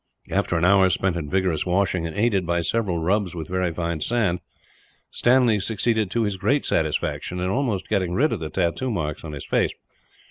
After an hour spent in vigorous washing, and aided by several rubs with very fine sand, Stanley succeeded, to his great satisfaction, in almost getting rid of the tattoo marks on his face.